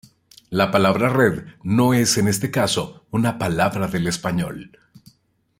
La palabra "red" no es, en este caso, una palabra del español.